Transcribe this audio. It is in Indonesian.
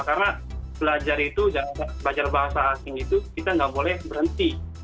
karena belajar itu belajar bahasa asing itu kita nggak boleh berhenti